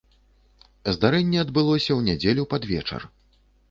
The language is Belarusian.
Здарэнне адбылося ў нядзелю пад вечар.